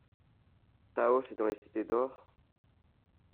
Tao c'est dans les cités d'or?